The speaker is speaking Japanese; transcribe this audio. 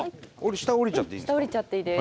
下下りちゃっていいです。